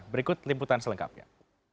berikut limputan selengkapnya